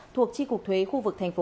thuộc chi cục thuế khu vực tp hưng yên